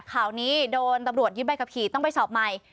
ข่าวนี้โดนตำรวจยึดใบขับขี่ต้องไปสอบใหม่